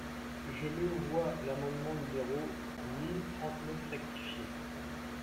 Je mets aux voix l’amendement numéro mille trente-neuf rectifié.